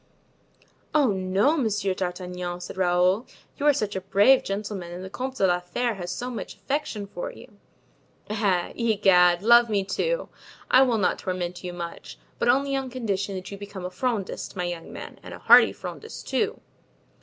"Oh, no, Monsieur d'Artagnan," said Raoul, "you are such a brave gentleman and the Comte de la Fere has so much affection for you!" "Eh! Egad! love me too; I will not torment you much, but only on condition that you become a Frondist, my young friend, and a hearty Frondist, too."